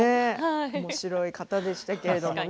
おもしろい方でしたけれどもね。